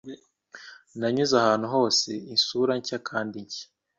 Nanyuze ahantu hose isura nshya kandi nshya